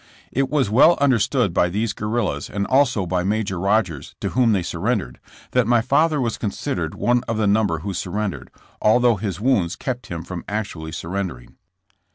It was well understood by these guer rillas and also by Major Rodgers to whom they sur rendered, that my father was considered one of the number who surrendered, although his wounds kept him from actually surrendering.